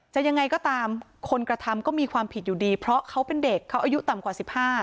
ยังไงก็ตามคนกระทำก็มีความผิดอยู่ดีเพราะเขาเป็นเด็กเขาอายุต่ำกว่า๑๕